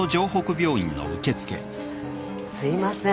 すいません